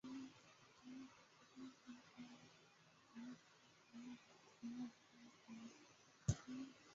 张友诚是台湾的漫画家。